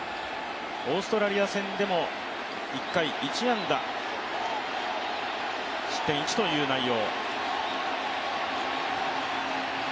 オーストラリア戦でも１回１安打失点１という内容。